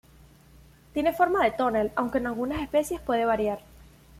Tiene forma de tonel, aunque en algunas especies puede variar.